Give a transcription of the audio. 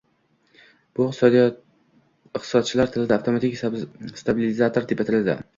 Bu iqtisodchilar tilida "avtomatik stabilizator" deb ataladi